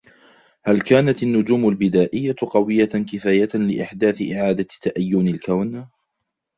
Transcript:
هل كانت النجوم البدائية قوية كفاية لإحداث إعادة تأيّن الكون؟